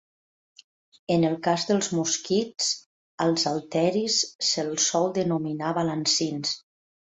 En el cas dels mosquits, als halteris se'ls sol denominar balancins.